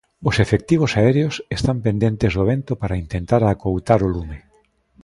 Os efectivos aéreos están pendentes do vento para intentar acoutar o lume.